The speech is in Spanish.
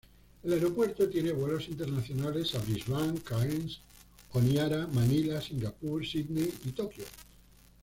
El aeropuerto tiene vuelos internacionales a Brisbane, Cairns, Honiara, Manila, Singapur, Sídney y Tokio.